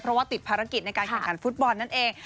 เพราะว่าติดภารกิจในการแข่งขันฟุตบอลนั่นเอง